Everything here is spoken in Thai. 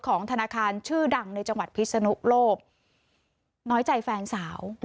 ของธนาคารชื่อดังในจังหวัดพิศนุโลกน้อยใจแฟนสาว